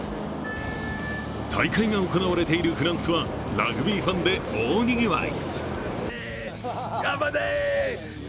大会が行われているフランスはラグビーファンで大にぎわい。